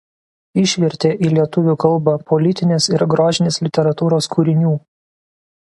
Išvertė į lietuvių kalbą politinės ir grožinės literatūros kūrinių.